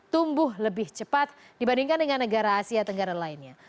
tumbuh lebih cepat dibandingkan dengan negara asia tenggara lainnya